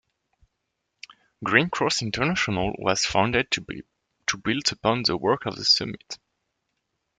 Green Cross International was founded to build upon the work of the Summit.